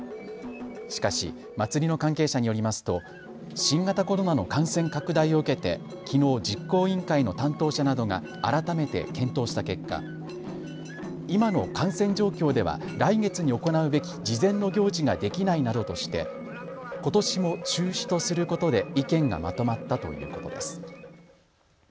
しかし、祭りの関係者によりますと新型コロナの感染拡大を受けてきのう実行委員会の担当者などが改めて検討した結果、今の感染状況では来月に行うべき事前の行事ができないなどとして、ことしも中止とすることで意見がまとまったということです。